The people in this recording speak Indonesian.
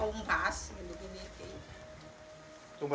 tujuh untuk dimasak pak